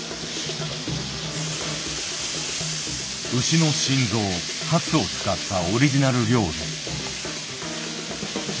牛の心臓ハツを使ったオリジナル料理。